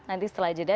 nanti setelah jeda